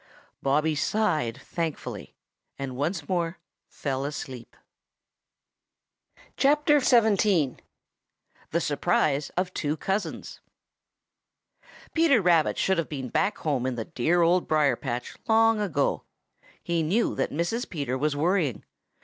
Bobby sighed thankfully and once more fell asleep. XVI. BLACKY THE CROW DISCOVERS BOBBY |PETER RABBIT should have been back home in the dear Old Briar patch long ago. He knew that Mrs. Peter was worrying.